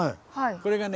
これがね